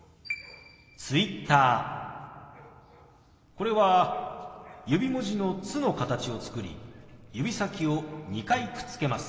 これは指文字の「つ」の形を作り指先を２回くっつけます。